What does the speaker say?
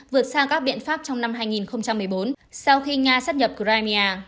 vượt xa các biện pháp trong năm hai nghìn một mươi bốn sau khi nga xác nhập crimea